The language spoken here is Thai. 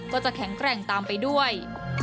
ก็จะแข็งแกร่งตามไปด้วย